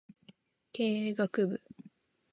経営学部